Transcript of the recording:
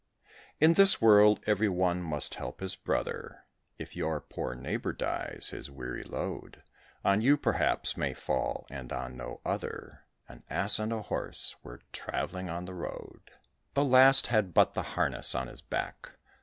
In this world every one must help his brother. If your poor neighbour dies, his weary load On you, perhaps, may fall, and on no other. An Ass and Horse were travelling on the road: The last had but the harness on his back.